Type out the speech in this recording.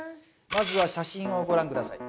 まずは写真をご覧下さい。